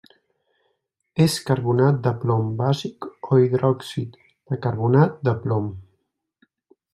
És carbonat de plom bàsic o hidròxid de carbonat de plom.